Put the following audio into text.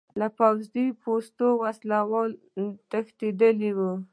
له پوځي پوستو وسلې تښتولې.